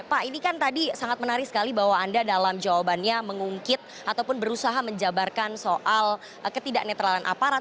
pak ini kan tadi sangat menarik sekali bahwa anda dalam jawabannya mengungkit ataupun berusaha menjabarkan soal ketidak netralan aparat